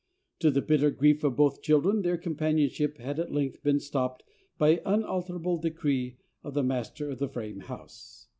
To the bitter grief of both children, the companionship had at length been stopped by unalterable decree of the master of the frame house.